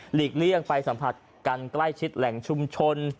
เลี่ยงไปสัมผัสกันใกล้ชิดแหล่งชุมชน